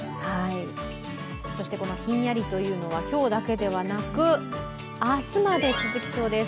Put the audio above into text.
そして、このひんやりというのは今日だけではなく明日まで続きそうです。